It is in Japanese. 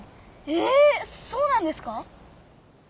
えそうなんですか？